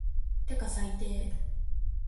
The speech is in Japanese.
てか最低